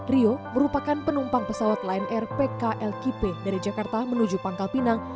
rio merupakan penumpang pesawat lion air pklkp dari jakarta menuju pangkal pinang